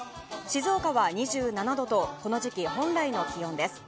静岡は２７度とこの時期、本来の気温です。